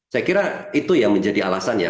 saya kira itu yang menjadi alasan ya